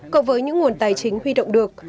cộng với những nguồn tài chính huy động được